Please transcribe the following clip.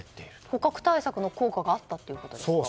捕獲対策の効果があったということですか？